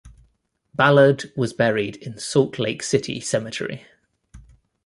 Ballard was buried in Salt Lake City Cemetery.